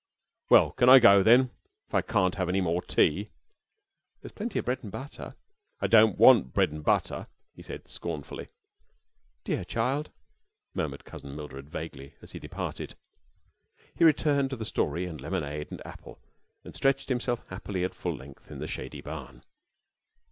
"Well, can I go then, if I can't have any more tea?" "There's plenty of bread and butter." "I don't want bread and butter," he said, scornfully. "Dear child!" murmured Cousin Mildred, vaguely, as he departed. He returned to the story and lemonade and apple, and stretched himself happily at full length in the shady barn.